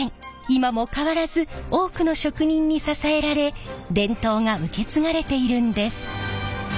今も変わらず多くの職人に支えられ伝統が受け継がれているんです。